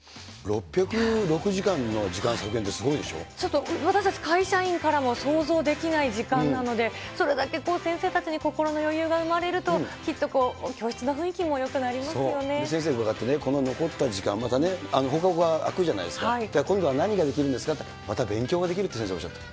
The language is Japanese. ６０６時間の時間削減って、ちょっと私たち会社員からも想像できない時間なので、それだけ先生たちに心の余裕が生まれると、きっとこう、教室の雰そう、先生に伺ってね、この残った時間、またね、放課後が空くじゃないですか、今度は何ができるんですかって、また勉強ができるって先生おっしゃった。